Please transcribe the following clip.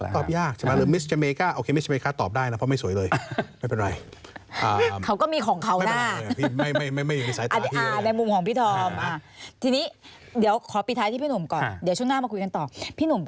ตอบยากนะครับค่ะตอบยากใช่ไหม